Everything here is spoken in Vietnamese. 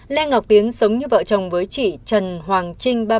lê ngọc tiến sống như vợ chồng với chị trần hoàng trinh